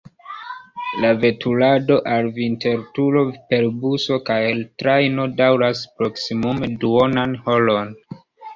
La veturado al Vinterturo per buso kaj trajno daŭras proksimume duonan horon.